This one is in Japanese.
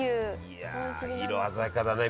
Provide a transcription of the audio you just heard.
いや色鮮やかだね